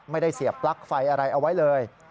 ไม่ได้เสียบปลั๊กไฟอะไรเอาไว้เลย